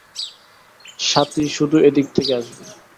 স্বাতী শুধু এদিক থেকে আসবে।